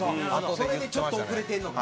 それでちょっと遅れてるのか。